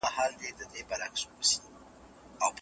فشار د کار او ژوند ترمنځ ستونزه جوړوي.